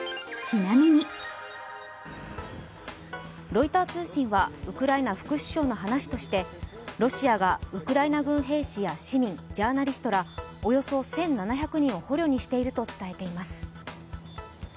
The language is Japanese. ロイター通信は、ウクライナ副首相の話としてロシアがウクライナ軍兵士や市民、ジャーナリストらおよそ１７００人を捕虜にしていると伝えています。